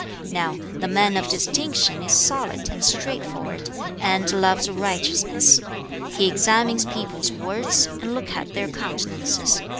5. 'Now the man of distinction is solid and straightforward, and loves righteousness. He examines people's words, and looks at their countenances.